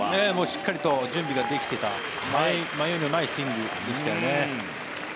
しっかりと準備ができていた迷いのないスイングでしたね。